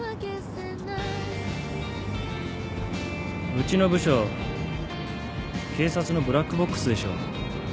うちの部署警察のブラックボックスでしょ？